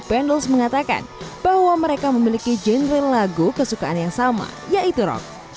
bandels mengatakan bahwa mereka memiliki genre lagu kesukaan yang sama yaitu rock